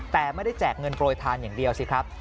แต่ไม่ได้แจกเงินโปรยทานอย่างเดียวสิครับ